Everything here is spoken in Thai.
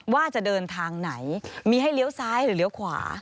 ว่าจะเดินทางไหนมีให้เลี้ยวซ้ายหรือเลี้ยวขวา